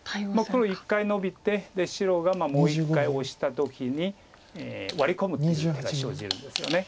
黒一回ノビてで白がもう一回オシた時にワリ込むっていう手が生じるんですよね。